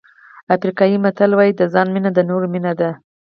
افریقایي متل وایي د ځان مینه د نورو مینه ده.